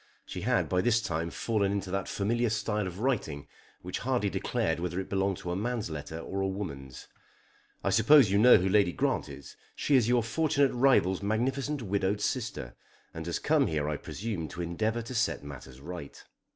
She had by this time fallen into that familiar style of writing which hardly declared whether it belonged to a man's letter or a woman's. "I suppose you know who Lady Grant is. She is your fortunate rival's magnificent widowed sister, and has come here I presume to endeavour to set matters right.